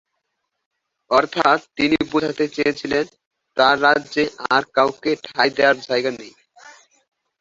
অর্থাৎ তিনি বোঝাতে চেয়েছিলেন তার রাজ্যে আর কাউকে ঠাঁই দেয়ার জায়গা নেই।